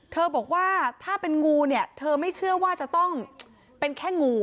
บอกว่าถ้าเป็นงูเนี่ยเธอไม่เชื่อว่าจะต้องเป็นแค่งู